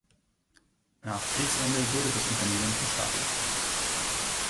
Nach Kriegsende wurde das Unternehmen verstaatlicht.